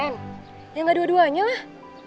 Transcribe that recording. yang engga dua duanya lah